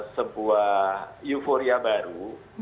sebuah euforia baru